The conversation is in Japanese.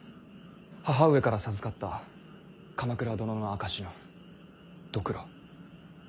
母上から授かった鎌倉殿の証しのドクロ。